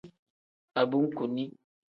Abunkuni.